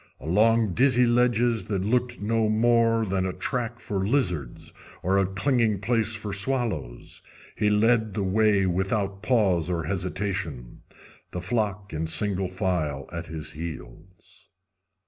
Along dizzy ledges that looked no more than a track for lizards or a clinging place for swallows, he led the way without pause or hesitation, the flock in single file at his heels.